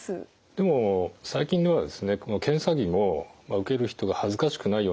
でも最近のはですね検査着も受ける人が恥ずかしくないような工夫がされています。